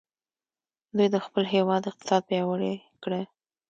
دوی د خپل هیواد اقتصاد پیاوړی کړ.